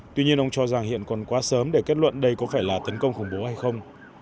tuy nhiên ông cho rằng hiện còn quá sớm để kết luận đây có phải là tấn công khủng bố hay không